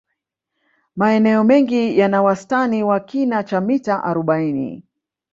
maeneo mengi yana wastani wa kina cha mita arobaini